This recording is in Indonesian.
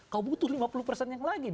kau butuh lima puluh persen yang lain